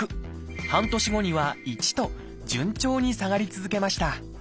半年後には「１」と順調に下がり続けました。